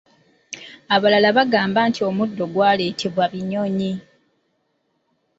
Abalala bagamba nti omuddo gwaleetebwa binyonyi.